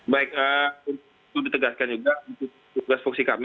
baik itu ditegaskan juga untuk tugas fungsi kami